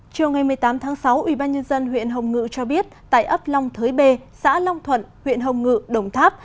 chiều ngày một mươi tám tháng sáu ubnd huyện hồng ngự cho biết tại ấp long thới bê xã long thuận huyện hồng ngự đồng tháp